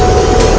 itu udah gila